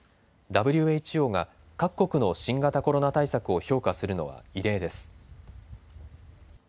ＷＨＯが各国の新型コロナ対策を評価するのは異例です。